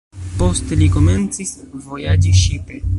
Poste li komencis vojaĝi ŝipe.